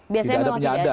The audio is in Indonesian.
biasanya memang tidak ada